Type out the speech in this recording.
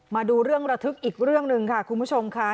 มาดูเรื่องระทึกอีกเรื่องหนึ่งค่ะคุณผู้ชมค่ะ